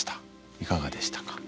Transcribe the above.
いかがでしたか？